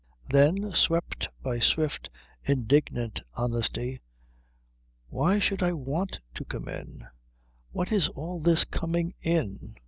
Then, swept by swift, indignant honesty, "Why should I want to come in? What is all this coming in?